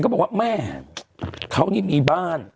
บอกว่าแม่เขานี่มีบ้าน